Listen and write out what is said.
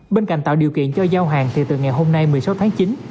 bên cạnh tạo điều kiện cho giao hàng thì từ ngày hôm nay một mươi sáu tháng chín